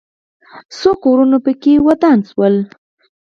څو کورونه پکې ودان شوي ول.